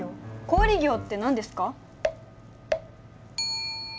小売業って何ですか？